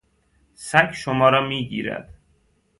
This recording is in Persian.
سگ شما را میگیرد.